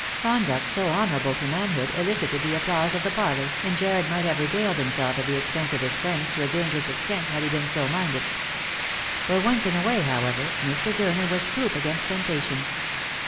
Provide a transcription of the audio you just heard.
Conduct so honourable to manhood elicited the applause of the parlour, and Jarred might have regaled himself at tho expense of his friends to a dangerous extent had he been so minded. For once in a way, however, Mr. Gurner was proof against temptation.